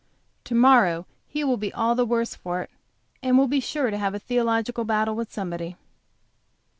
To morrow he will be all the worse for it, and will be sure to have a theological battle with somebody.